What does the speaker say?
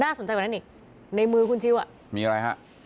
สนใจกว่านั้นอีกในมือคุณชิวอ่ะมีอะไรฮะ